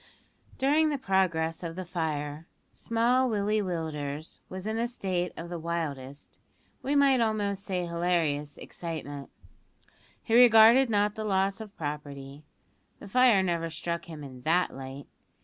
During the progress of the fire, small Willie Willders was in a state of the wildest, we might almost say hilarious, excitement; he regarded not the loss of property; the fire never struck him in that light.